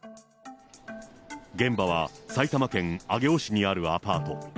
現場は埼玉県上尾市にあるアパート。